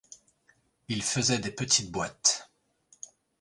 Il faisait des petites boîtes.